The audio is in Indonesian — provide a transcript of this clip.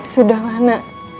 sudah lah nak